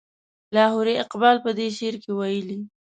لاهوري اقبال په دې شعر کې ویلي.